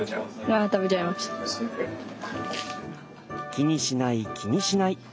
気にしない気にしない。